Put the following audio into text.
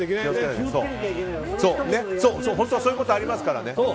本当にそういうことがありますからね。